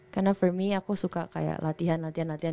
karena for me aku suka kayak latihan latihan latihan